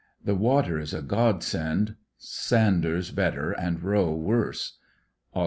— The water is a God send, Sauders better and Rowe worse. Aug.